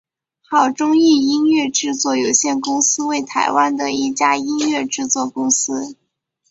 好钟意音乐制作有限公司为台湾的一家音乐制作公司。